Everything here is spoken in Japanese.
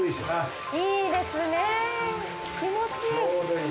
いいですねぇ気持ちいい。